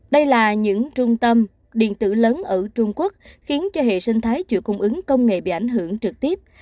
đây là những trung tâm điện tử lớn ở trung quốc khiến cho hệ sinh thái chuỗi cung ứng công nghệ bị ảnh hưởng trực tiếp